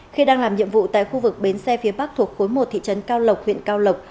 khi đang làm nhiệm vụ tại khu vực bến xe phía bắc thuộc khối một thị trấn cao lộc huyện cao lộc